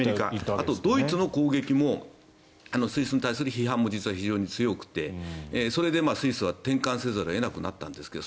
あとドイツの攻撃もスイスに対する批判も非常に強くてそれでスイスは転換せざるを得なくなったんですけど。